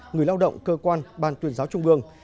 người lao động cơ quan ban tuyên giáo trung ương